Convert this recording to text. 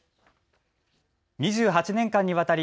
２８年間にわたり